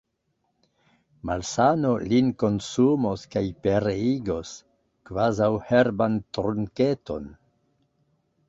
malsano lin konsumos kaj pereigos, kvazaŭ herban trunketon!